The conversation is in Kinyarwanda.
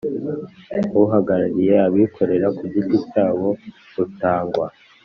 Uhagarariye abikorera ku giti cyabo utangwa